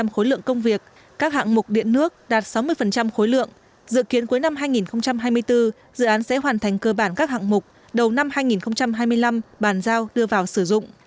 khối lượng công việc các hạng mục điện nước đạt sáu mươi khối lượng dự kiến cuối năm hai nghìn hai mươi bốn dự án sẽ hoàn thành cơ bản các hạng mục đầu năm hai nghìn hai mươi năm bàn giao đưa vào sử dụng